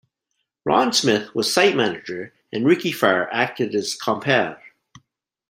Ron Smith was site manager and Rikki Farr acted as compere.